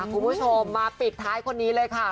คุณผู้ชมมาปิดท้ายคนนี้เลยค่ะ